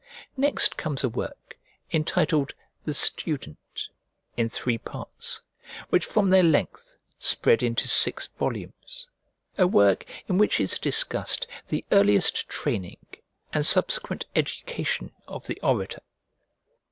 Next comes a work entitled "The Student," in three parts, which from their length spread into six volumes: a work in which is discussed the earliest training and subsequent education of the orator.